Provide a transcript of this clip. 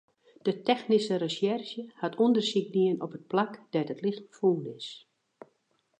De technyske resjerzje hat ûndersyk dien op it plak dêr't it lichem fûn is.